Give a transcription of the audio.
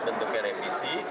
empat bentuknya revisi